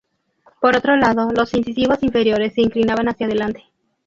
Por otro lado, los incisivos inferiores se inclinaban hacia adelante.